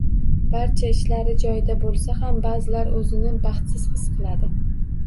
Barcha ishlari joyida bo‘lsa ham, ba’zilar o‘zini baxtsiz his qiladi.